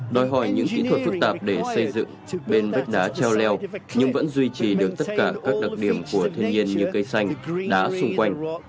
đòi hỏi những kỹ thuật phức tạp để xây dựng bên vách đá treo leo nhưng vẫn duy trì được tất cả các đặc điểm của thiên nhiên như cây xanh đá xung quanh